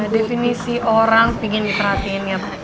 definisi orang pingin diterhatiin ya